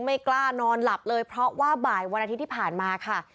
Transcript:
ไม่กล้านอนหลับเลยเพราะว่าบ่ายวันอาทิตย์ที่ผ่านมาค่ะ